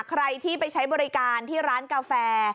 ใครที่ไปใช้บริการที่ร้านกาแฟ